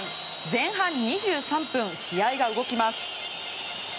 前半２３分試合が動きます。